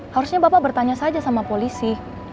harusnya bapak bertanya saja sama polisi